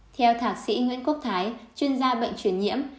theo thạc sĩ nguyễn quốc thái chuyên gia bệnh truyền nhiễm